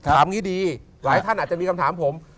งี้ดีหลายท่านอาจจะมีคำถามผม